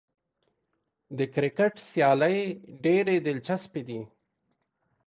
د کرکټ سیالۍ ډېرې دلچسپې دي.